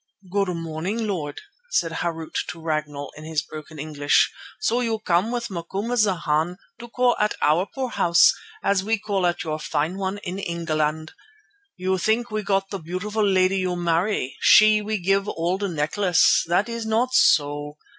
"Good morning, Lord," said Harût to Ragnall in his broken English. "So you come with Macumazana to call at our poor house, as we call at your fine one in England. You think we got the beautiful lady you marry, she we give old necklace. That is not so.